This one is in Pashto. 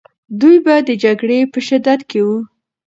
دوی به د جګړې په شدت کې وو.